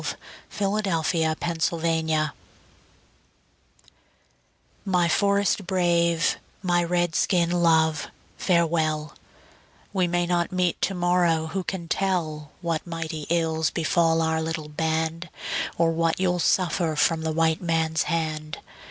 A CRY FROM AN INDIAN WIFE My forest brave, my Red skin love, farewell; We may not meet to morrow; who can tell What mighty ills befall our little band, Or what you'll suffer from the white man's hand?